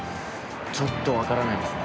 ちょっとわからないですね。